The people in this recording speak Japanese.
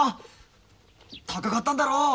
高かったんだろう。